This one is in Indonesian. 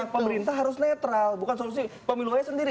pemerintah harus netral bukan solusi pemilu aja sendiri